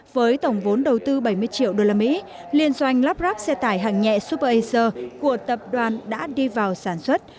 với tổng vốn đầu tư bảy mươi triệu usd liên doanh lắp rác xe tải hàng nhẹ superacer của tập đoàn đã đi vào sản xuất